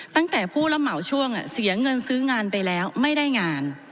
ตั้งแต่ผู้รับเหมาช่วงเสียเงินซื้องานไปแล้วไม่ได้งาน